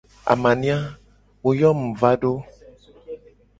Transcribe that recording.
Amania, wo yo mu mu va do.